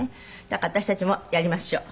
だから私たちもやりましょう。